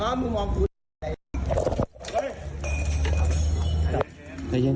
ไม่ว่ามึงมองตัวไอ้ไอ้